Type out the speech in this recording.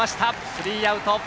スリーアウト。